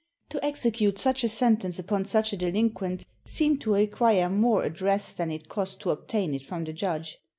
To execute such a sentence upon such a delinquent seemed to require more address than it cost to obtain it from the judge.